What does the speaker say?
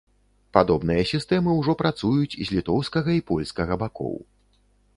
Падобныя сістэмы ўжо працуюць з літоўскага і польскага бакоў.